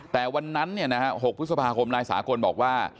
แต่วันนั้นเนี่ยนะครับ๖พฤษภาคมนายสากลบอกว่า